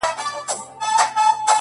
و موږ ته يې د زلفو ښاماران مبارک-